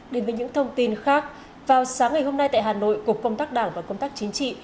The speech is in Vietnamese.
đến với những thông tin khác vào sáng ngày hôm nay tại hà nội cục công tác đảng và công tác chính trị